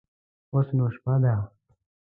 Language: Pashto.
اوس نو شپه ده.